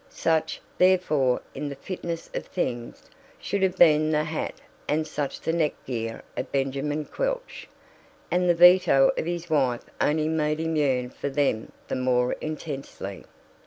Such, therefore, in the fitness of things, should have been the hat and such the neck gear of Benjamin Quelch, and the veto of his wife only made him yearn for them the more intensely.